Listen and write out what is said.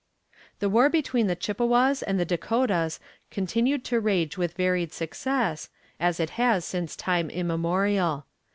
The war between the Chippewas and the Dakotas continued to rage with varied success, as it has since time immemorial.